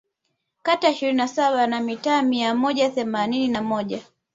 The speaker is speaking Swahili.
kata ishirini na saba na mitaa mia moja themanini na moja